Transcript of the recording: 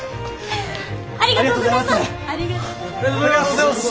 ありがとうございます！